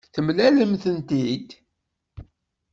Temlalemt-tent-id?